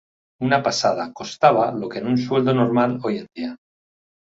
Una pasada costaba lo que un sueldo normal hoy en día.